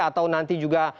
atau nanti juga